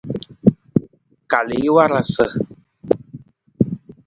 Kal i warasa.